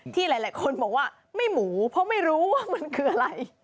ที่หลายคนบอกว่าไม่หมูเพราะไม่รู้ว่ามันคืออะไร